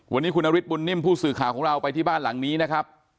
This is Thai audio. วันนี้คุณนฤทธบุญนิ่มผู้สื่อข่าวของเราไปที่บ้านหลังนี้นะครับ